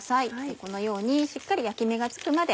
このようにしっかり焼き目がつくまで。